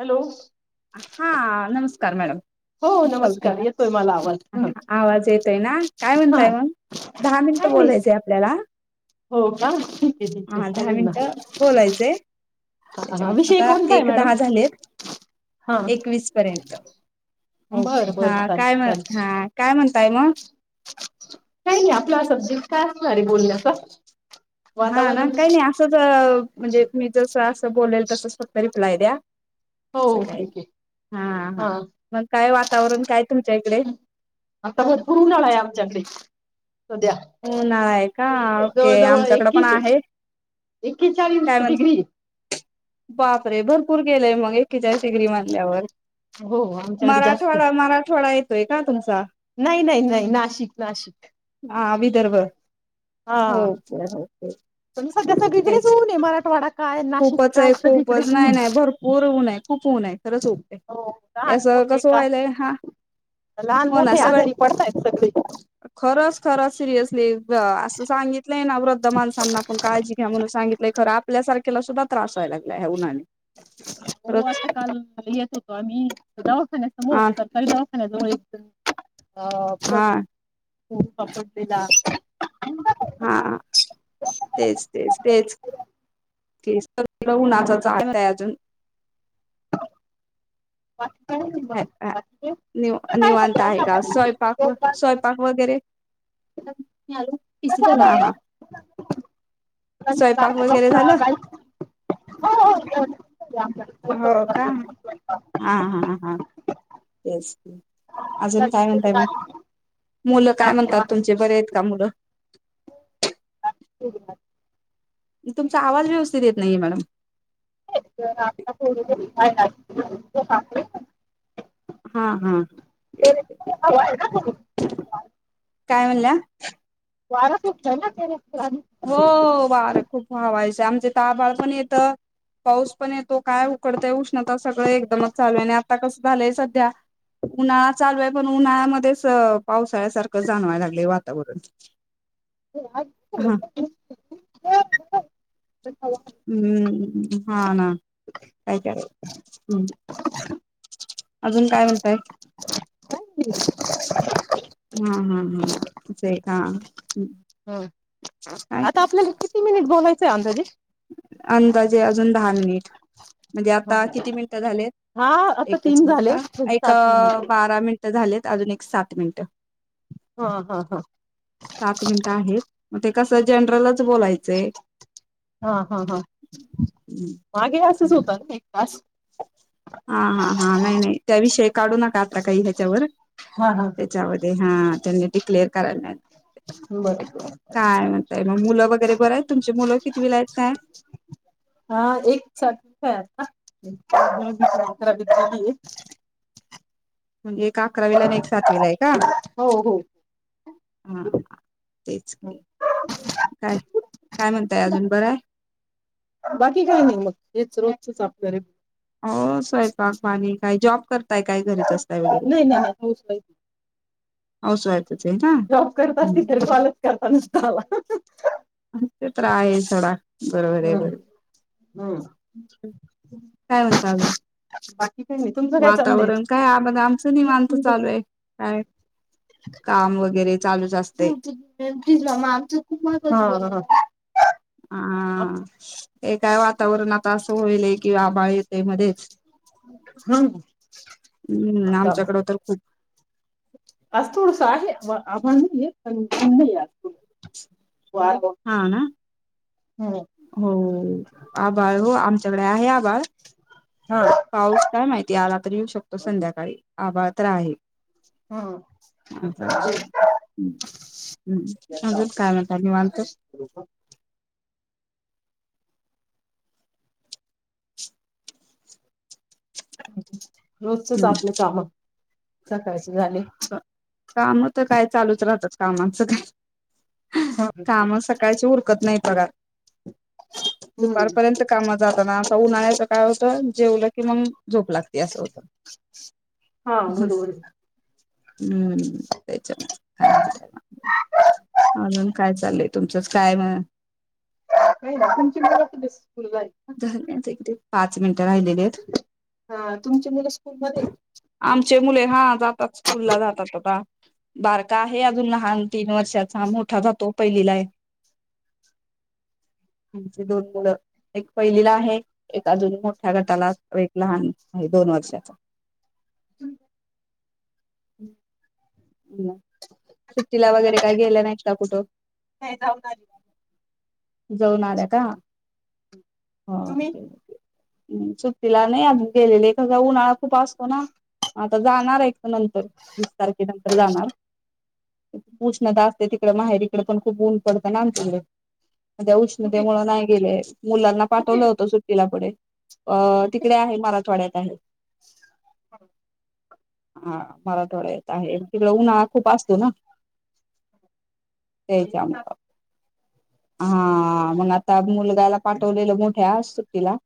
Hello कार madam हो मीच कॉल नमस्कार केलता येतोय मला आवाज ह आवाज येतोय ना काय हा म्हणताय मग दहा मिन्ट काय नाही बोलायचय आपल्याला हो का ठीक आहे ठीक हा आहे दहा आलेना, मिनिटं बोलायचंय ह हा त्याच्यामुळे विषय आता कोणता आहे एक मॅडम दहा झालेत हा एकवीस पर्यंत बर ओके हा बर चालेल काय म चालेल हा काय म्हणताय मग काही नाही आपला सबजेक्ट काय असणार आहे बोलण्याच. हा ना काही नाही असंच म्हणजे मी जस अस बोलेल तसंच फक्त रिप्लाय द्या. हो असं काही नाही ठीक आहे हा मग काय वातावरण काय तुमच्या इकडे आता भरपूर उन्हाळा हाय आमच्याकडे सध्या उन्हाळा आहे का ओके जवळजवळ आमच्याकडे पण एकेचे आहे काय एक्केचाळीस म्हणता डिग्री बाप परे भरपूर गेलय मग एक्केचाळीस डिग्री म्हटल्यावर हो आमच्याकडे जास्त आहे. मराठवाडा मराठवाडा ये तोय का तुमचा नाही नाही नाही नाशिक नाशिक हा विदर्भ हा हो हो हो पण सध्या सगळीकडेच तेच ऊन आहे मराठवाडा काय नाशिक खूपच काय आहे खूपच सगळीकडेच ऊन नाही नाही भरपूर ऊन आहे खूप ऊन आहे खरंच खुप आहे हो ते लहान यास मोठे कस का व्हायलाय हा लहान हो ना मोठे सगळ आजारी पडतायत सगळे. खरचं खर सिरियसली असं सांगितलंय ना वृद्ध माणसांना आपण काळजी घ्या म्हणून सांगितलंय खरं आपल्यासार तेलासुध्दा त्रास व्हाय लागलाय या उन्हाने हो खरंच असं काल येत होतो आम्ही त जऊ हा [unintelligible] [unintelligible] आफत हा खूप पकडलेला हा तेच तेच तेच तर तुला ऊनाच चालताय अजून [unintelligible] हाय बाकी निव काय काय निवांत सध्या आहे का उन्हात स्वयंपाक स्वयंपाक वगैरे इस तर [unintelligible] हो का हा हा हा तेच अजून काय म्हणताय मग मुलं काय म्हणतात तुमचे बरे आहेत का मुलं? दूध भात तुमचा आवाज व्यवस्थित येत नाहीये मॅडम [unintelligible] हा हा [unintelligible] काय म्हणल्या? वार सुटलयना तेरे हो वार खूप हवा आमच्या इथ आभाळ पण येत, पाऊस पण येतो काय उकडतय उष्णता सगळं एकदमच चालू आहे आणि आता कसं झालंय सध्या उन्हाळा चालू आहे पण उन्हाळ्यामध्येच पावसाळ्यासारखं जाणवाय लागलय वातावरण हा [unintelligible] [unintelligible] हम्म हाना काय करायचं हम्म काय ते हां हां हां ते का हम हो आता आपल्याला किती मिनिट बोलायचंय अंदाजे? अंदाजे अजून दहा मिनिट म्हणजे आता किती मिनिटं झालेत हा आता एकच तीन मिनिट झाले हां म्हणजे एक सात मिनिट बारा मिनिटं झालेत अजून एक सात मिनिटं हा हा हा सात मिनिटं आहेत म ते कसं जनरलच बोलायचंय हां हां हां मागे असच होतं एक तास हां हां हां नाही नाही त्याविषयी काढू नका आता काही ह्याच्यावर हा हा हा त्याच्यामध्ये हा त्यांनी ते क्लियर करायला नाई बरं चालेल काय म्हणताय मग मुलं वगैरे बरं आहेत तुमची मूल कितवीला आहेत काय? हा एक सात आहे आता [unintelligible] मग एक अकरावीेला आणि एक सातवीला हाय का हो हो हा तेच काय काय म्हणताय अजून बराय? तस चाप प्यारे अहो स्वयंपाक पाणी काय जॉब कर नाही नाही हाऊस वाइफ हाऊस वाईफच आहे ना. जॉब करत हं. असती तर कॉलच करता नसता आला ते तर आहे सोडा बरोबर आहे हम्म, बरोबर हम्म. काय म्हणता अजून बाकी काही नाही तुमचं काय चाललंय? वातावरण काय बघा आमचं निवांत चालू आहे काय काम वगैरे चालूच असते ह आमच खूप महत्वाच हा हा. आ आ आ हे काय वातावरण आता असं व्हायलय कि आभाळ ते मध्येच हूं आता आमच्याकड तर खूप आज थोडस आहे [unintelligible] आभाळ नाईये पण [unintelligible] थोडं हा ना हम्म हो हो आभाळ हो आमच्याकडे आहे आभाळ हा पाऊस काय माहिती आला तर येऊ शकतो संध्याकाळी आभाळ तर आहे. हा [unintelligible] अजूनच काय म्हणता निवांत [inaudible] रोजचच हम्म आपल काम सकाळची झाले काम त काय चालूच राहतात कमांच काय काम सकाळचची उरकत नाहीत बघा. हम्म दुपारपर्यंत काम जाताना त उन्हाळ्याच काय होत जेवल की मंग झोप लागती असं होतं. हा हम् बरोबर हूं ते चला काय म्हणताय मगं. अजून काय चाललंय तुमचच काय म नाही ना तुमची. आहेत का? धान्यात एक देऊ पाच मिन राहिलेलेत. हा तुमची मुलं स्कूलमध्ये आमचे मुले हा जातात स्कूलला जातात अता. बारका आहे अजून लहान तीन वर्षाचा मोठा जातो पहिलीलाय आमचे दोन मुलं एक पहिलीला आहे एक अजून मोठ्या गटाला एक लहान [unintelligible] दोन वर्षाचा सुट्टीला वगैरे काही गेला नाही? आत्ता कुठं? नाय जाऊन आली जाऊन आल्या का [inaudible] तुम्ही अम्म सुट्टीला नाही अजून गेलेले कसा उन्हाळा खूप असतो ना आता जाणारय नंतर वीस तारखे नंतर जाणार उष्णता असते तिकड माहेरीकड पण खूप ऊन पडतं ना आमच्याकड त्या कुठे उष्णतेमुळ नाही गेले मुलांना कुठे पाठवलं होतं सुट्टीला पुढे अ तिकडे आहे मराठवाड्यात [inaudible] [inaudible] हा मराठवाडा येत आहे तिकड उन्हाळा खूप असतो ना तेच्या हा मंग आता मुलगाला पाठवलेलं मोठ्या सुट्टीला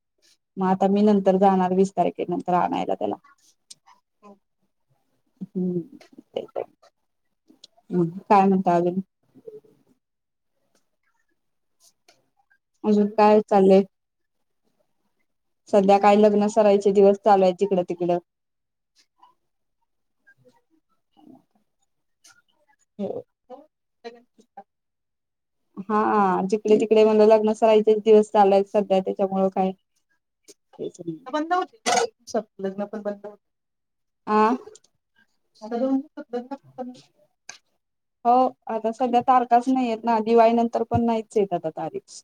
म आता मी नंतर जाणार वीस तारखे नंतर आणायाला त्याला [inaudible] हम् [inaudible] हं हं काय म्हणता अजून? अजून कुठे काय चाललेय सध्या काय लग्न सराईचे दिवस चालू आहे जिकडं तिकडं हं [inaudible] हा जिकडे तिकडे म्हण लग्न सराईचेच दिवस चाललेय सध्या त्याच्यामुळं काय बंद हो लग्न पण बंद हो आ हॅलो [inaudible] [unintelligible] हो आता सध्या तारखाच नहीयेत ना दिवाळी नंतर पण नाहीचेत आता तारीख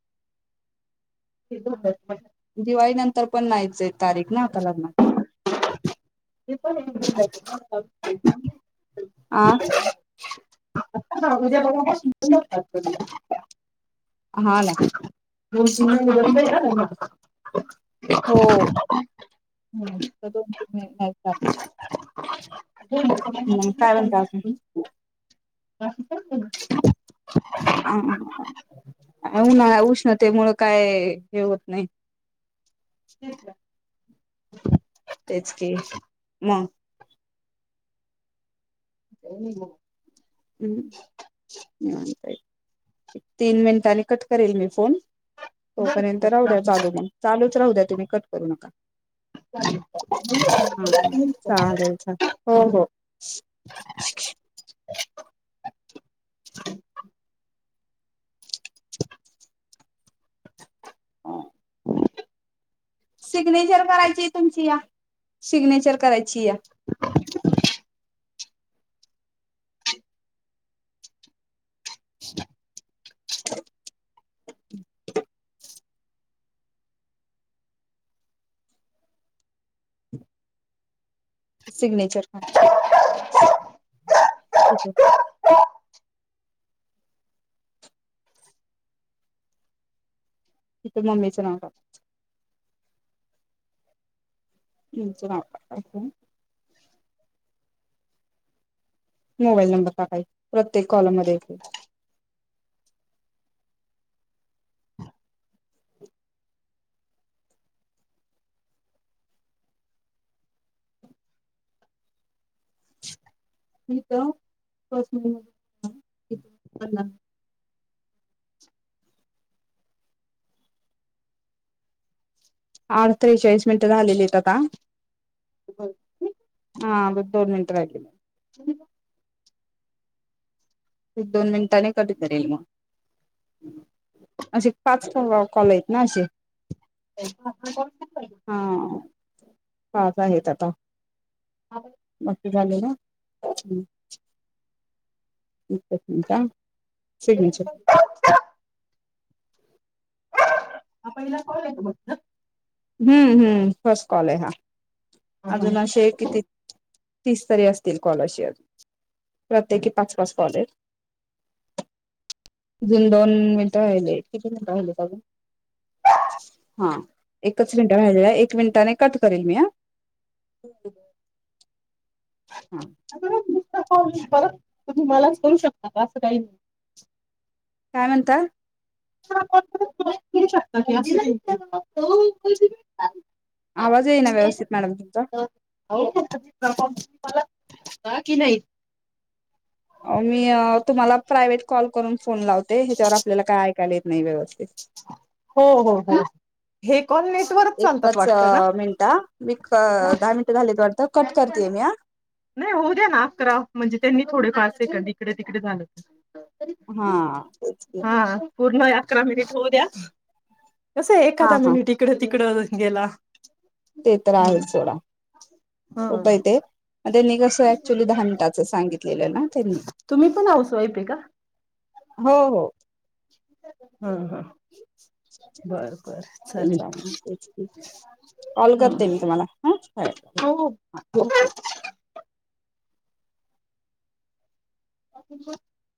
[unintelligible] तर पण नाहीचये तारीख ना आता लग्न [unintelligible] [inaudible] आ जरा उजेड हो हा ना ओ [unintelligible] हो ह्या दोन तीन महिने [unintelligible] मग [inaudible] काय म्हणता अजून? [unintelligible] [inaudible] [unintelligible] आणि ना उष्णतेमुळे त्यामुळे काय हे होत नाही [unintelligible] तेच की मग त्यांनी गो हम्म निवांत हाय तीन मिनिटांनी कट करेल मी फोन तोपर्यंत राहू द्या चालू मग चालू राहूद्या तुम्ही कट करू नका ह ह चालेल हो हो [inaudible] हा सिग्नेचर करायची तुमची या सिग्नेचर कराय [inaudible] सिग्नेचर हा ठीक आहे तिथ मम्मीच नाव टाकायच तुमच नाव टाकायच मोबाईल नंबर टाकाय प्रत्येक कॉल मध्ये येतय. मी इथ [unintelligible] [inaudible] का हा बरं दोन मिनिटं [unintelligible] [unintelligible] दोन मिनिटाने कट करेल मग असे पाच कॉल आहेत ना अशे [unintelligible] पायजे त्रास आहेच आता मग ते झाले ना हम् का? [unintelligible] [inaudible] हा पहिला कॉल आहे का फक्त हम्म हम्म फस कॉल आहे हा अजून असे किती तीस तरी असतील कॉल ‌अशे, प्रत्येकी पाच पाच कॉल हेत अजून दोन मिन्ट राहिले किती मिन्ट राहिलेत अजून हा एकच मिनटं राहिलेला एक मिनिटाने कट करेल मी हा [inaudible] हा दुसरा परत तुम्ही मलाच करू शकता का? असं काही नाही काय म्हणता? [unintelligible] आवाज येईना व्यवस्थित मॅडम तुमचा हो [unintelligible] काकी नाही मी तुम्हाला प्रायवेट कॉल करून फोन लावते ह्याच्यावर आपल्याला काय आय कायला येत नाही वेळेवर हो हो हो हे कॉल नेटवरच चालतात एकच वाटतं ना मिनिटा हा दहा मिनटं झालेत वाटत नाही होऊ द्या ना अकरा म्हणजे त्यांनी थोडेफारसे इकडे तिकडे झालं हा तेच की हा पूर्ण अकरा मिनिट होऊ द्या कसं आहे हा एखादा मिनिट इकडं तिकडं गेला तेतर हम्म आहेच सोडा हा होतय ते म त्यांनी कस ऍक्च्युली दहा मिनिटाचं सांगि केलं ना त्यांनी तुम्ही पण हाऊस वाईफ आहे का हो हो हं हं तेच आहे ना तेच की कॉल करते मी तुम्हाला हा हो हो ओके. [inaudible]